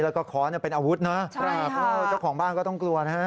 แล้วก็ขอเนี่ยเป็นอาวุธนะใช่ค่ะเจ้าของบ้านก็ต้องกลัวนะฮะ